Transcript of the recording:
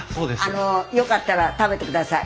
あのよかったら食べてください。